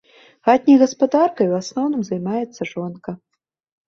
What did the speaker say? Хатняй гаспадаркай у асноўным займаецца жонка.